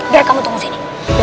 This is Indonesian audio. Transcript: gak mau tunggu sini